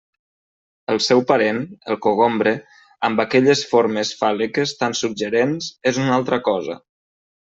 El seu parent, el cogombre, amb aquelles formes fàl·liques tan suggerents és una altra cosa.